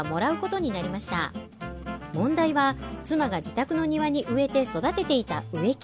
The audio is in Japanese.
問題は妻が自宅の庭に植えて育てていた植木。